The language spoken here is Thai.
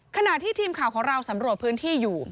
ขณะที่ทีมข่าวของเราสำรวจพื้นที่อยู่